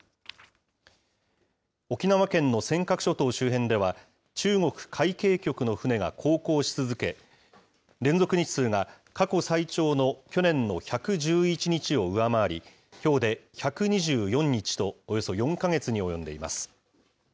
沖縄県の尖閣諸島周辺では、中国海警局の船が航行し続け、連続日数が過去最長の去年の１１１日を上回り、きょうで１２４日と、およそ４か月に及んでいます。